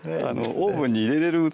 オーブンに入れれる器